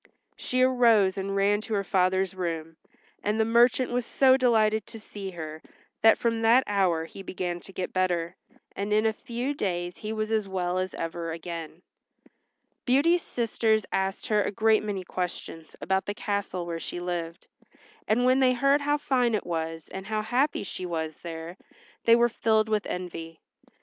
She arose and ran to her father's room, and the merchant was so delighted to see her that from that hour he began to get better, and in a few days he was as well as ever again. Beauty's sisters asked her a great many questions about the castle where she lived, and when they heard how fine it was, and how happy she was there, they were filled with envy.